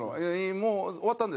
「もう終わったんで。